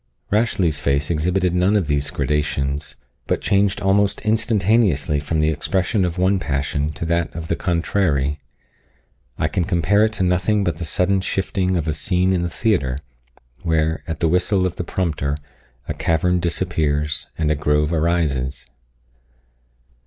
Rashleigh's face exhibited none of these gradations, but changed almost instantaneously from the expression of one passion to that of the contrary. I can compare it to nothing but the sudden shifting of a scene in the theatre, where, at the whistle of the prompter, a cavern disappears, and a grove arises.